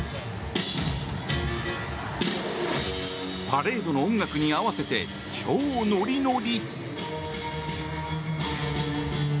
パレードの音楽に合わせて超ノリノリ。